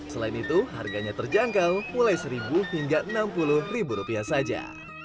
selain itu harganya terjangkau mulai seribu hingga enam puluh ribu rupiah saja